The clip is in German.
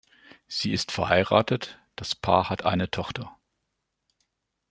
Sie ist verheiratet, das Paar hat eine Tochter.